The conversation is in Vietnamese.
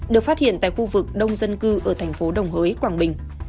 được phát hiện tại khu vực đông dân cư ở thành phố đồng hới quảng bình